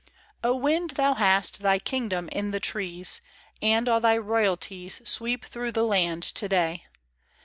OwiND, thou hast thy kingdom in the trees. And all thy royalties Sweep through the land to day.